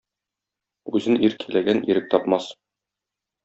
Үзен иркәләгән ирек тапмас.